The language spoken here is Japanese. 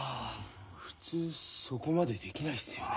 普通そこまでできないっすよね。